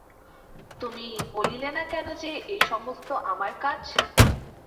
তুমি বলিলে না কেন যে, এ-সমস্ত আমার কাজ।